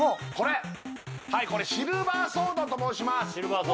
これはいこれシルバーソードと申します